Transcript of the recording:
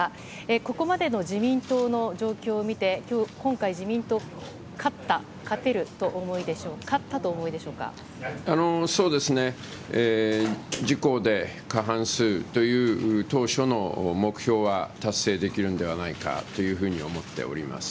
ここまでの自民党の状況を見て、今回、自民党、勝った、勝てるとお思いでしょうか、そうですね、自公で過半数という当初の目標は達成できるんではないかというふうに思っております。